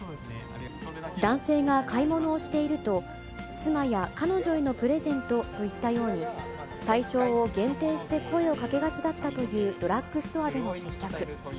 男性が買い物をしていると、妻や彼女へのプレゼントといったように、対象を限定して声をかけがちだったというドラッグストアでの接客。